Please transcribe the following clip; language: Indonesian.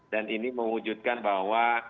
dan ini mewujudkan bahwa